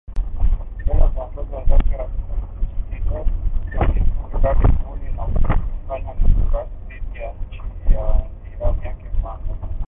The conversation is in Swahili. Mbele ya viongozi wenzake Rais Felix Tshisekedi alishutumu vikali uhuni na ukatili unaofanywa dhidi ya nchi ya jirani yake Rwanda